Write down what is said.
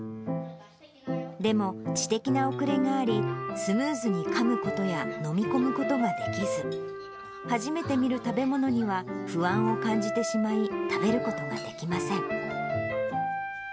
でも、知的な遅れがあり、スムーズに噛むことや飲み込むことができず、初めて見る食べ物には、不安を感じてしまい、食べることができません。